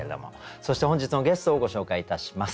そして本日のゲストをご紹介いたします。